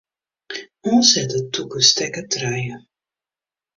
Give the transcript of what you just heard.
Oansette tûke stekker trije.